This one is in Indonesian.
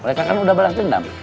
mereka kan udah balas dendam